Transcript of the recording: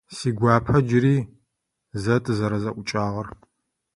Сигуапэ джыри зэ тызэрэзэӏукӏагъэр?